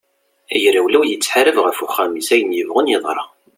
Agrawliw yettḥarab ɣef uxxam-is ayen yebɣun yeḍra!